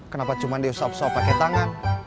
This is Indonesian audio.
kenapa cuma diusap usap pakai tangan